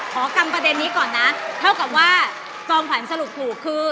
กรรมประเด็นนี้ก่อนนะเท่ากับว่าจอมขวัญสรุปถูกคือ